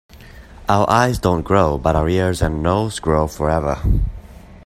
Our eyes don‘t grow, but our ears and nose grow forever.